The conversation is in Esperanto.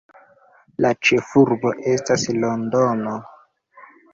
La ĉefurbo estas Londono.